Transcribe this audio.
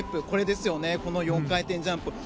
これですよね、４回転ジャンプ。